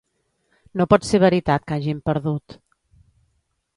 No pot ser veritat que hàgim perdut.